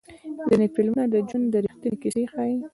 ځینې فلمونه د ژوند ریښتینې کیسې ښیي.